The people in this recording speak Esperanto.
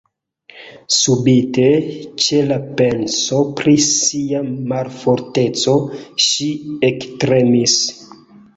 Subite, ĉe la penso pri sia malforteco, ŝi ektremis.